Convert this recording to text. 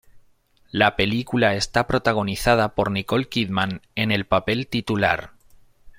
La película está protagonizada por Nicole Kidman en el papel titular.